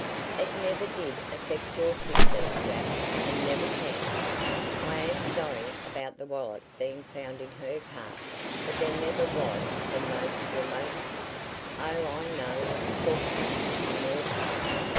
"It never did affect your sister, Jack, and never can. I am sorry about the wallet being found in her car, but there never was the most remote " "Oh, I know, of course not, on your part.